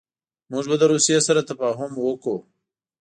موږ به له روسیې سره تفاهم وکړو.